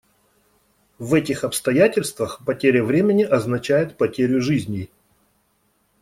В этих обстоятельствах потеря времени означает потерю жизней.